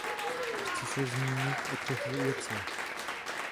Chci se zmínit o třech věcech.